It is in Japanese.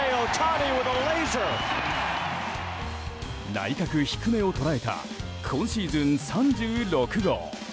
内角低めを捉えた今シーズン３６号。